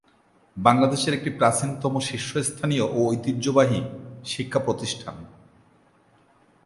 বাংলাদেশের একটি প্রাচীনতম শীর্ষস্থানীয় ও ঐতিহ্যবাহী শিক্ষাপ্রতিষ্ঠান।